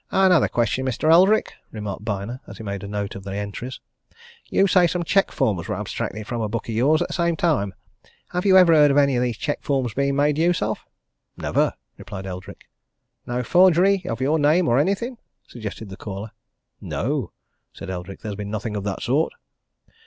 "Another question, Mr. Eldrick," remarked Byner as he made a note of the entries. "You say some cheque forms were abstracted from a book of yours at the same time. Have you ever heard of any of these cheque forms being made use of?" "Never!" replied Eldrick. "No forgery of your name or anything?" suggested the caller. "No," said Eldrick. "There's been nothing of that sort."